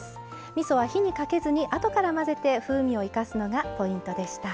みそは火にかけずにあとから混ぜて風味を生かすのがポイントでした。